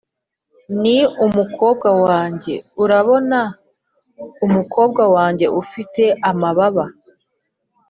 ni umukobwa wanjye urabona, umukobwa wanjye ufite amababa!